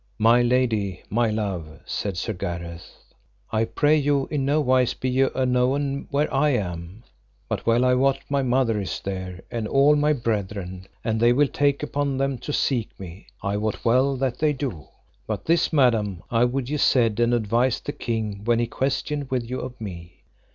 My lady and my love, said Sir Gareth, I pray you in no wise be ye aknowen where I am; but well I wot my mother is there and all my brethren, and they will take upon them to seek me, I wot well that they do. But this, madam, I would ye said and advised the king when he questioned with you of me.